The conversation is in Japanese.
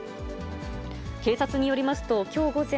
警察によりますと、きょう午前